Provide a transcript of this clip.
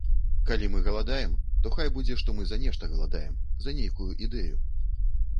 Калі мы галадаем, то хай будзе, што мы за нешта галадаем, за нейкую ідэю.